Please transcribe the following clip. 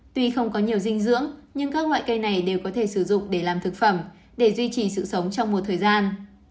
tuy không có nhiều dinh dưỡng nhưng các loại cây này đều có thể sử dụng để làm thực phẩm để duy trì sự sống trong một thời gian